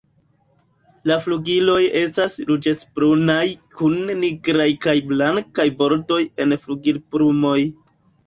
La flugiloj estas ruĝecbrunaj kun nigraj kaj blankaj bordoj en flugilplumoj.